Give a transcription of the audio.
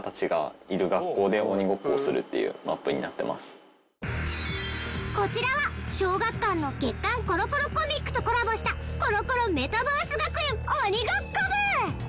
これはこちらは小学館の『月刊コロコロコミック』とコラボしたコロコロメタバース学園鬼ごっこ部！